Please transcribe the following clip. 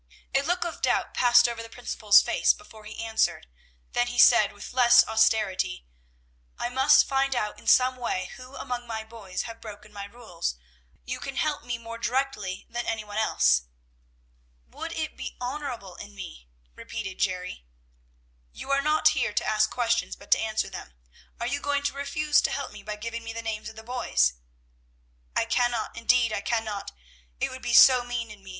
A look of doubt passed over the principal's face before he answered, then he said with less austerity, "I must find out in some way who among my boys have broken my rules; you can help me more directly than any one else." "Would it be honorable in me?" repeated Jerry. "You are not here to ask questions, but to answer them. Are you going to refuse to help me by giving me the names of the boys?" "I cannot, indeed I cannot; it would be so mean in me.